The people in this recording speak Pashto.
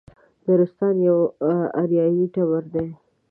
نورستانیان یو اریایي ټبر دی.